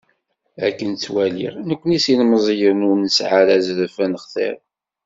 Akken ttwaliɣ, nekni s yilemẓiyen, ur nesɛi ara azref ad nextir.